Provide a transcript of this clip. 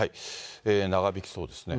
長引きそうですね。